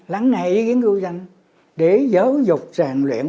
để giáo dục ràng luyện